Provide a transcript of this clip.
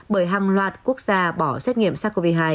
bởi hàng loạt quốc gia bỏ xét nghiệm sars cov hai